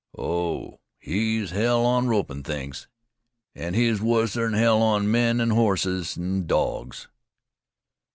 Oh! he's hell on ropin' things. An' he's wusser 'n hell on men, an' hosses, an' dogs."